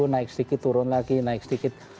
naik sedikit turun lagi naik sedikit